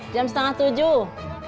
jam setengah tujuh